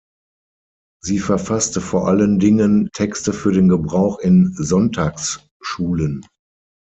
Sie verfasste vor allen Dingen Texte für den Gebrauch in Sonntagsschulen.